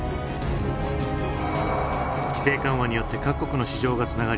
規制緩和によって各国の市場がつながり